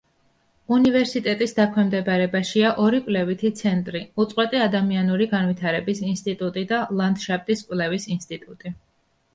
უნივერსიტეტის დაქვემდებარებაშია ორი კვლევითი ცენტრი: უწყვეტი ადამიანური განვითარების ინსტიტუტი და ლანდშაფტის კვლევის ინსტიტუტი.